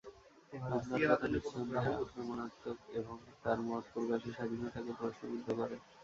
আপনার কথা নিঃসন্দেহে আক্রমণাত্মক এবং তার মত প্রকাশের স্বাধীনতাকে প্রশ্নবিদ্ধ করে।